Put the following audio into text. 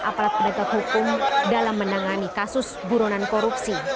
apalat pendekat hukum dalam menangani kasus buronan korupsi